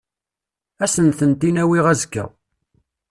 Ad asent-tent-in-awiɣ azekka.